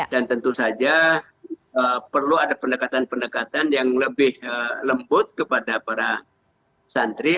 dan tentu saja perlu ada pendekatan pendekatan yang lebih lembut kepada para santri